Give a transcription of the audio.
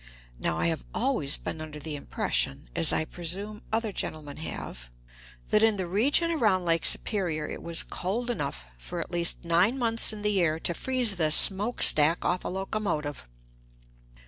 Now, I have always been under the impression, as I presume other gentlemen have, that in the region around Lake Superior it was cold enough for at least nine months in the year to freeze the smokestack off a locomotive.